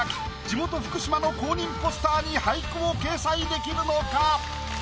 地元福島の公認ポスターに俳句を掲載できるのか？